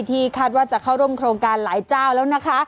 ที่คาดว่าจะเข้าร่วมโครงการหลายเจ้าแล้วนะคะ